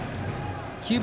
９番